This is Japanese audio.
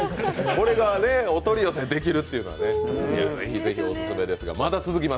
これがお取り寄せできるというのは、オススメですが。